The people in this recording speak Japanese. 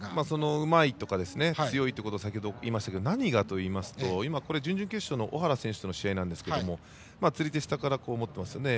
うまいとか強いと先ほど言いましたけど何がといいますと、準々決勝の尾原選手との試合では釣り手を下から持っていますね。